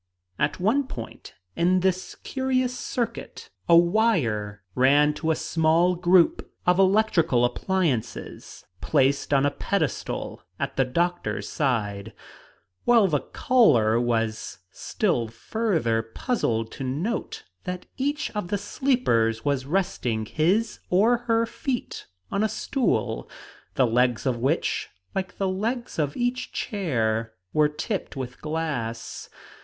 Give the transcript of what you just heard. At one point in this curious circuit, a wire ran to a small group of electrical appliances placed on a pedestal at the doctor's side; while the caller was still further puzzled to note that each of the sleepers was resting his or her feet on a stool, the legs of which, like the legs of each chair, were tipped with glass.